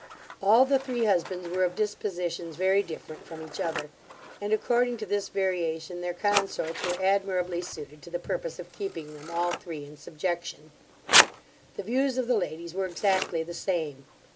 All the three husbands were of dispositions very different from each other, and, according to this variation, their consorts were admirably suited to the purpose of keeping them all three in subjection. The views of the ladies were exactly the same.